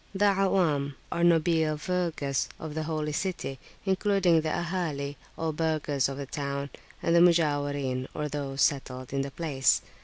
The Awam, or nobile vulgus of the Holy City, including the Ahali, or burghers of the town, and the Mujawirin, or those settled in the place.